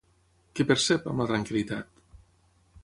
Què percep, amb la tranquil·litat?